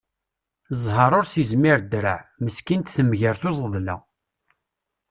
Zher ur s-izmir ddreɛ, meskint temger tuẓedla.